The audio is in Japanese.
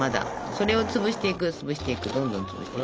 それを潰していく潰していくどんどん潰していく。